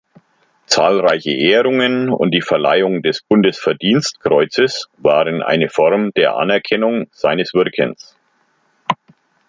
Zahlreiche Ehrungen und die Verleihung des Bundesverdienstkreuzes waren eine Form der Anerkennung seines Wirkens.